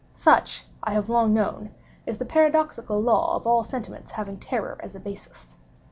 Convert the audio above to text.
Such, I have long known, is the paradoxical law of all sentiments having terror as a basis.